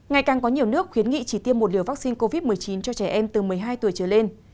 ngày càng có nhiều nước khuyến nghị chỉ tiêm một liều vaccine covid một mươi chín cho trẻ em từ một mươi hai tuổi trở lên